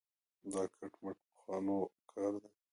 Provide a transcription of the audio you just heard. دا کټ مټ پخوانو کار دی.